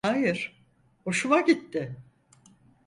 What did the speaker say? Hayır, hoşuma gitti.